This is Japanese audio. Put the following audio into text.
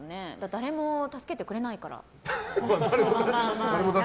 誰も助けてくれないから。